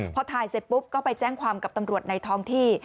พอถ่ายเสร็จปุ๊บก็ไปแจ้งความกับตำรวจในท้องที่